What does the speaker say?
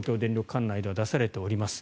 管内では出されています。